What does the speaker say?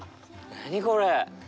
何、これ？